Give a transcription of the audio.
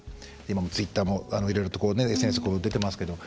今もツイッターもいろいろとＳＮＳ出てますけど。